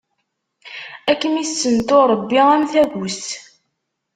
Ad kem-issentu Ṛebbi am tagust!